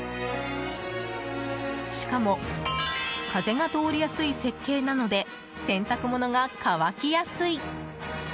しかも風が通りやすい設計なので洗濯ものが乾きやすい。